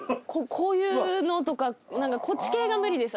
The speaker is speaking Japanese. こういうのとかこっち系が無理です